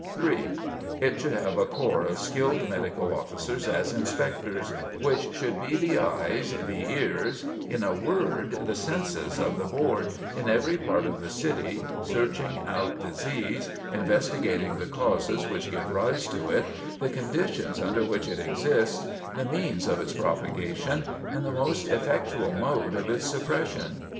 3. It should have a corps of skilled medical officers as inspectors, which should be the eyes, the ears, in a word, the senses of the board, in every part of the city, searching out disease, investigating the causes which give rise to it, the conditions under which it exists, the means of its propogation, and the most effectual mode of its suppression.